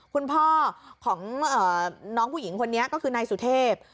คุณพ่อของน้องผู้หญิงคนนี้ก็คือนายสุเทพ